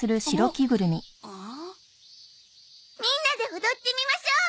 みんなで踊ってみましょう！